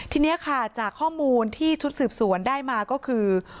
ทีนี้ค่ะจากข้อมูลที่ชุดสืบสวนได้มาก็คือ